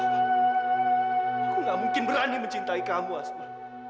aku gak mungkin berani mencintai kamu asma